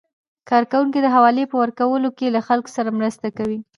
کارکوونکي د حوالې په ورکولو کې له خلکو سره مرسته کوي.